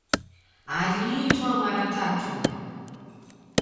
Aliitwa mara tatu